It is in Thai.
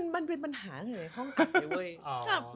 มันเป็นปัญหาไงในห้องอาจารย์